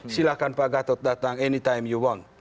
silahkan pak gatot datang anytime you wong